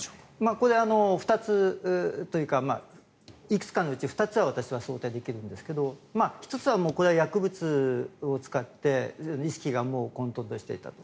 これ、２つというかいくつかのうち２つは私は想定できると思うんですが１つは、これは薬物を使って意識が混とんとしていたと。